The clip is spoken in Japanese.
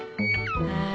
はい。